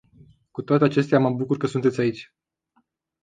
Cu toate acestea, mă bucur că sunteți aici.